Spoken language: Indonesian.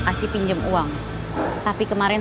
kemah raya kain